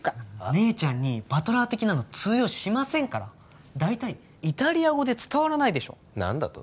姉ちゃんにバトラー的なの通用しませんから大体イタリア語で伝わらないでしょ何だと？